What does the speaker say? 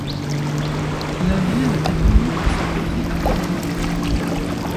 La ville est connue pour sa poterie artisanale.